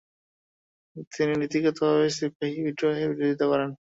তিনি নীতিগতভাবে সিপাহী বিদ্রোহের বিরোধিতা করেন।